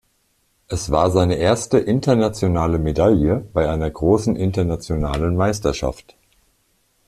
Es war seine erste internationale Medaille bei einer großen internationalen Meisterschaft.